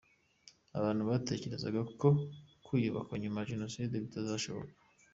Abantu batekerezaga ko kwiyubaka nyuma ya Jenoside bitazashoboka.